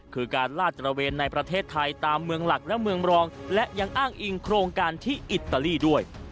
คือการลาดตระเวนในประเทศไทยตามเมืองหลักและเมืองรองและยังอ้างอิงโครงการที่อิตาลีด้วย